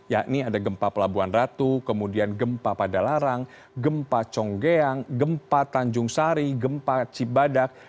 yakni ada gempa pelabuhan ratu kemudian gempa pada larang gempa conggeang gempa tanjung sari gempa cibadak